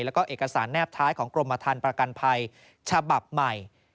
แล้วก็เอกสารแนบท้ายของกรมฐานประกันภัยฉบับใหม่